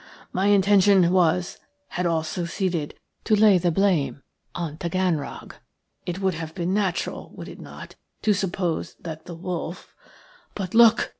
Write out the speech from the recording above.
My intention was, had all succeeded, to lay the blame on Taganrog. It would have been natural, would it not, to suppose that the wolf — But look!"